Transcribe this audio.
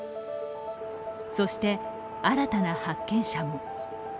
そして、新たな発見者も。